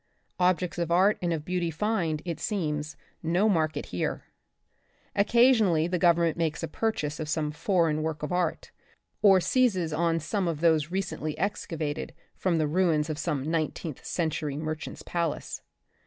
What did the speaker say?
Objects of art and of beauty find, it seems, no market here. Occasionally the Government makes a purchase of some foreign work of art, or seizes on some on some of those re cently excavated from the ruins of some 19th century merchant's palace.